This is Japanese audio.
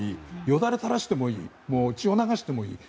よだれを垂らしても血を流してもいい。